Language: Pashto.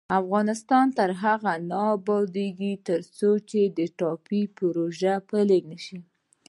افغانستان تر هغو نه ابادیږي، ترڅو ټاپي پروژه پلې نشي.